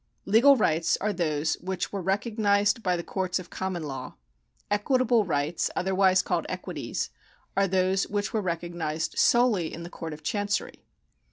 Legal rights are those which were recognised by the courts of common law. Equitable rights (otherwise called equities) are those which were recognised solely in the Court of Chancery.